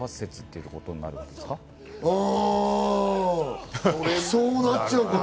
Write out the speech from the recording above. うん、そうなっちゃうかな？